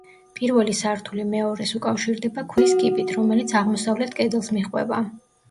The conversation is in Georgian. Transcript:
პირველი სართული მეორეს უკავშირდება ქვის კიბით, რომელიც აღმოსავლეთ კედელს მიჰყვება.